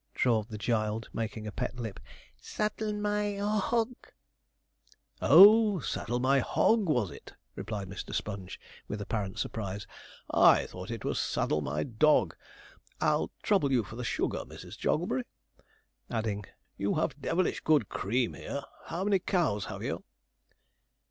drawled the child, making a pet lip: '"saddle my hog."' 'Oh! "saddle my hog," was it?' replied Mr. Sponge, with apparent surprise; 'I thought it was "saddle my dog." I'll trouble you for the sugar, Mrs. Jogglebury'; adding, 'you have devilish good cream here; how many cows have you?'